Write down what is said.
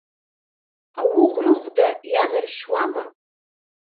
Ауӷә рыхәда ианаршьуама?